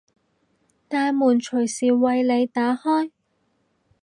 大門隨時為你打開